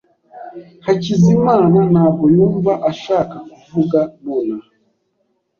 Hakizimana ntabwo yumva ashaka kuvuga nonaha.